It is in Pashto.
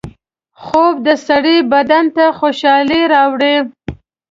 خوب د سړي بدن ته خوشحالۍ راوړي